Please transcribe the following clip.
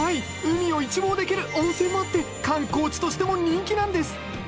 海を一望できる温泉もあって観光地としても人気なんです！